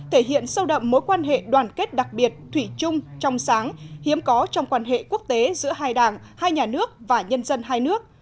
thể hiện sâu đậm mối quan hệ đoàn kết đặc biệt thủy chung trong sáng hiếm có trong quan hệ quốc tế giữa hai đảng hai nhà nước và nhân dân hai nước